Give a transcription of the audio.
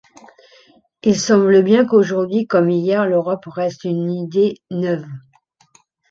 Il semble bien qu'aujourd'hui comme hier, l'Europe reste une idée neuve.